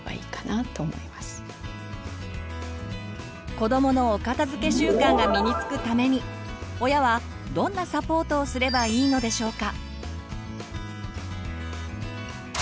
子どものお片づけ習慣が身につくために親はどんなサポートをすればいいのでしょうか。